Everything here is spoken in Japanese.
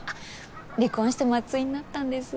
離婚して松井になったんです。